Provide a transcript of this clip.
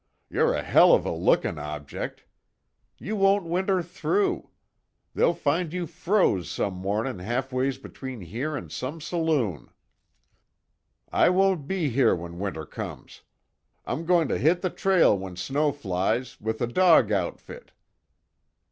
You're a hell of a lookin' object. You won't winter through. They'll find you froze some mornin' half ways between here an' some saloon." "I won't be here when winter comes. I'm going to hit the trail when snow flies, with a dog outfit."